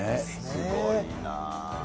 すごいな。